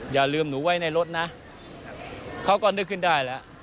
อย่าลืมหนูไว้ในรถนะเขาก็นึกขึ้นได้แล้ว